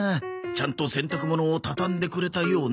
「ちゃんと洗濯物をたたんでくれたようね」